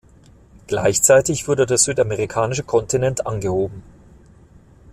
Gleichzeitig wurde der südamerikanische Kontinent angehoben.